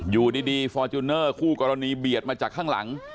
อยู่ดีฟอร์จูเนอร์คู่กรณีเบียดมาจากข้างหลัง